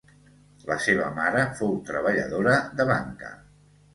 La seva mare fou treballadora de banca.